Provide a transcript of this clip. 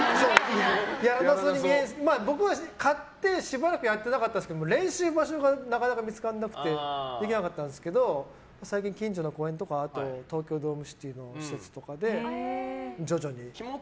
やらなそうに見えるんですけど僕は買って練習場所がなかなか見つからなくてできなかったんですけど最近、近所の公園とか東京ドームシティの施設とかで徐々に。